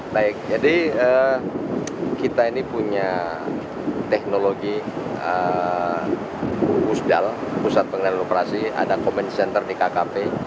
baik jadi kita ini punya teknologi wsdal pusat pengenal operasi ada komensi yang terdikak kkb